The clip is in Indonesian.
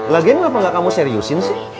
lageng kenapa gak kamu seriusin sih